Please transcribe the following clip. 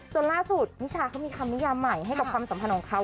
จนล่าสุดนิชาเขามีคำนิยามใหม่ให้กับความสัมพันธ์ของเขา